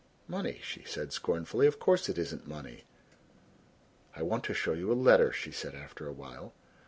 "Money," she said scornfully, "of course it isn't money. I want to show you a letter," she said after a while.